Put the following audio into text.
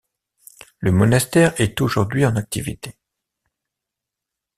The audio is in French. Le monastère est aujourd'hui en activité.